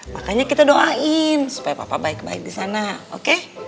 makanya kita doain supaya papa baik baik disana oke